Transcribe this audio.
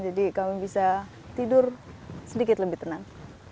jadi kami bisa tidur sedikit lebih tenang